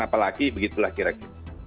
apalagi begitu lah kira kira